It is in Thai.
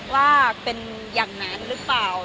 ว่าเป็นอย่างนั้นหรือเปล่า